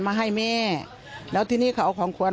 มีมนุษยสัมพันธ์ที่ดีกับประชาชนทุกคน